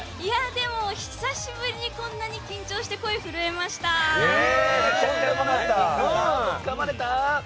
久しぶりに、こんなに緊張して声が震えました。